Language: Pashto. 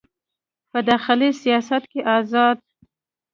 په داخلي سیاست کې ازاد